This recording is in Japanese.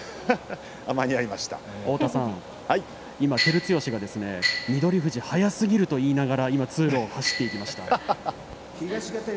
今、照強が翠富士が早すぎると言いながら通路を走っていきました。